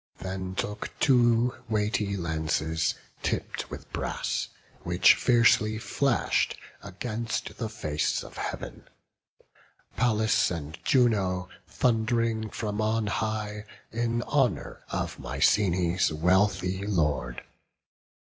Then took two weighty lances, tipp'd with brass, Which fiercely flash'd against the face of Heav'n: Pallas and Juno thund'ring from on high In honour of Mycenæ's wealthy lord.